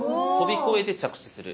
飛び越えて着地する。